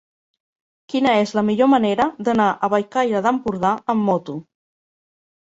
Quina és la millor manera d'anar a Bellcaire d'Empordà amb moto?